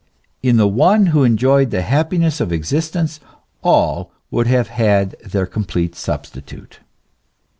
In the one who enjoyed the happiness of existence, all would have had their complete substitute.